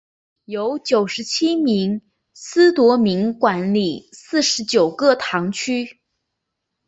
由九十七名司铎名管理四十九个堂区。